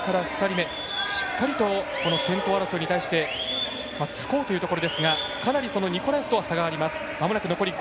しっかりと、先頭争いに対してつこうというところですがかなりニコラエフとは差があります。